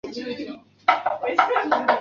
大花独蒜兰为兰科独蒜兰属下的一个种。